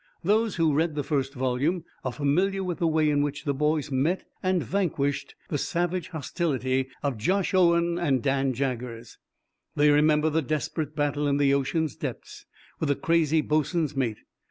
Those who read the first volume are familiar with the way in which the boys met and vanquished the savage hostility of Josh Owen and Dan Jaggers; they remember the desperate battle, in the ocean's depths, with the crazy boatswain's mate.